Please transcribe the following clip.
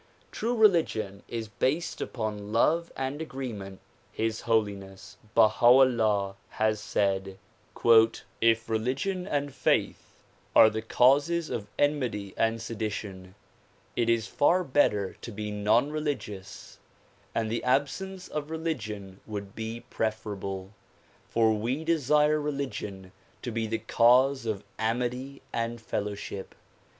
True religion is based upon love and agreement. His Holiness Baha 'Ullah has said "If religion and faith are the causes of enmity and sedi tion, it is far better to be non religious, and the absence of religion would be preferable; for we desire religion to be the cause of amity and fellowship.